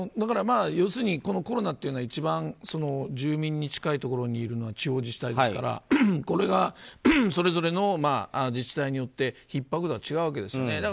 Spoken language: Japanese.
要するにコロナというのは一番、住民に近いところにいるのは地方自治体ですからこれがそれぞれの自治体によってひっ迫度は違うわけですよね。